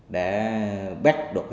để bắt được